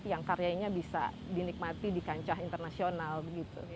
yang karyanya bisa dinikmati di kancah internasional gitu